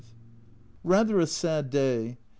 Rather a sad day. Mr.